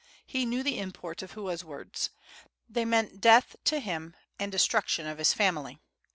He knew the import of Hua's words. They meant death to him and the destruction of his family.